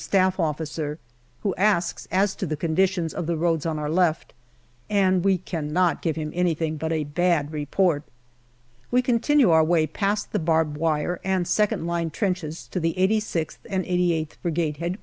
S.O.i, who asks as to the conditions of the roads on our left, and we cannot give him anything but a bad report. We continue our way past the barbed wire and second line trenches to the 86th and 88th Brigade H.Q.